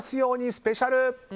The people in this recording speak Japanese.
スペシャル。